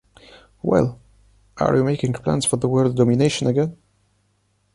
Well, are you making plans for the world domination again?